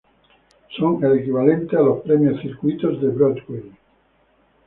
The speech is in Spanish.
Son el equivalente a los premios Circuito de Broadway.